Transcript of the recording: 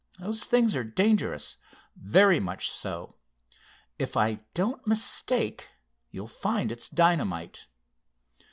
Those things are dangerous; very much so! If I don't mistake, you'll find it's dynamite."